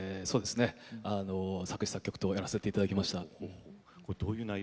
作詞・作曲をやらせていただきました。